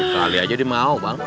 kali aja dia mau bang